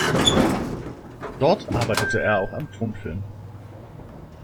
Dort arbeitete er auch am Tonfilm.